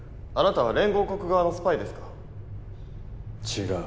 あなたは連合国側のスパイですか？